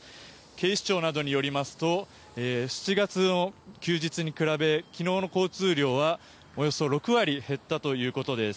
警視庁などによりますと７月の休日に比べ昨日の交通量はおよそ６割減ったということです。